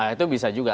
itu bisa juga